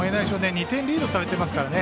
２点リードされてますからね。